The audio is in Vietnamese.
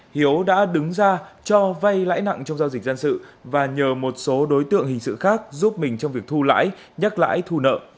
hiếu đã đứng ra cho vay lãi nặng trong giao dịch dân sự và nhờ một số đối tượng hình sự khác giúp mình trong việc thu lãi nhắc lãi thu nợ